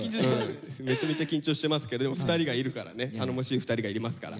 めちゃめちゃ緊張してますけど２人がいるからね頼もしい２人がいますから。